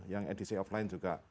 yang edisi offline juga